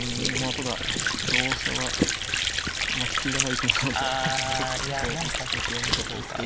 ただ香車はまあ利きがない駒なのでちょっと打ちたくはなかったですけど。